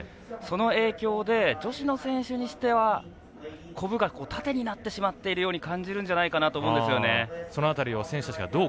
その影響で女子の選手にしてはコブが縦になってしまってるように感じるんじゃないかと思うんですよね。